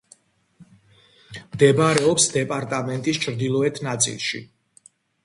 მდებარეობს დეპარტამენტის ჩრდილოეთ ნაწილში.